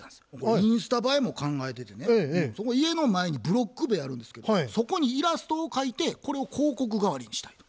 インスタ映えも考えててね家の前にブロック塀あるんですけどそこにイラストを描いてこれを広告がわりにしたいと。